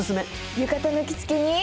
浴衣の着付けに。